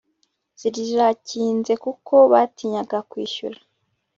zirakinze kuko batinyaga kwishyura